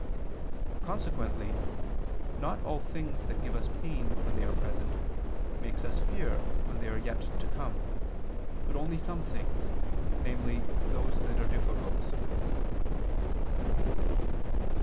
Consequently not all things that give us pain when they are present, make us fear when they are yet to come, but only some things, namely, those that are difficult.